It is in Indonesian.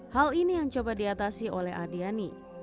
hal ini yang coba diatasi oleh adiani